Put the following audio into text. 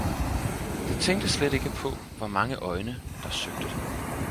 det tænkte slet ikke på, hvor mange øjne, der søgte det.